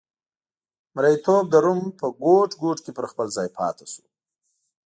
مریتوب د روم په ګوټ ګوټ کې پر خپل ځای پاتې شو